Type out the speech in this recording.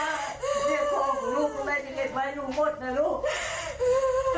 เรียกพ่อของลูกลูกแม่จะเก็บไว้ลูกหมดล่ะลูก